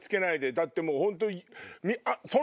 だってもうホント。